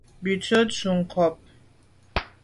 Ú sə̂’ nkwé yu nkàb.